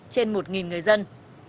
trên một người dân